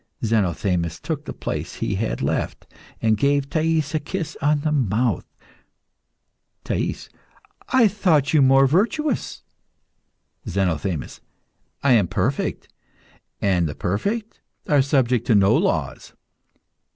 Zenothemis took the place he had left, and gave Thais a kiss on the mouth. THAIS. I thought you more virtuous. ZENOTHEMIS. I am perfect, and the perfect are subject to no laws.